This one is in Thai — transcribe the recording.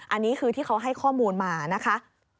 อันนี้คือที่เขาให้ข้อมูลมานะคะ